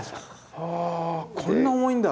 はこんな重いんだ。